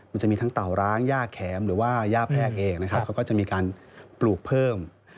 มันจะมีทั้งเต่าร้างย่าแข็มหรือว่าย่าแพรกเองนะครับเขาก็จะมีการปลูกเพิ่ม